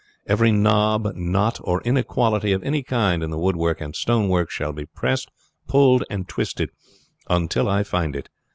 Every knob, knot, or inequality of any kind in the wood work and stone work shall be pressed, pulled, and twisted, until I find it.